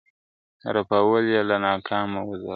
رپول یې له ناکامه وزرونه ..